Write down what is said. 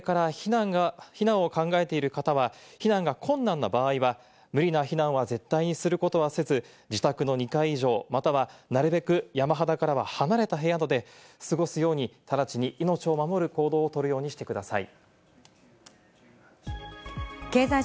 また、これから避難を考えている方は非難が困難な場合は無理な避難は絶対にすることはせず、自宅の２階以上、または、なるべく山肌からは離れた部屋などで過ごすように直ちに命を守る行動をとるようにしてください。